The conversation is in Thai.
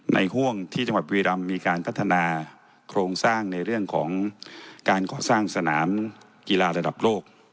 ห่วงที่จังหวัดบุรีรำมีการพัฒนาโครงสร้างในเรื่องของการก่อสร้างสนามกีฬาระดับโลก